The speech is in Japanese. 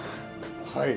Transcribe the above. はい。